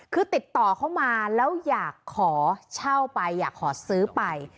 คือติดต่อเข้ามาแล้วอยากขอเช่าไปอยากขอซื้อไป